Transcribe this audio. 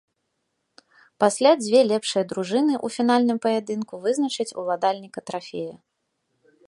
Пасля дзве лепшыя дружыны ў фінальным паядынку вызначаць уладальніка трафея.